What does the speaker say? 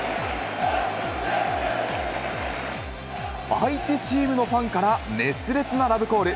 相手チームのファンから熱烈なラブコール。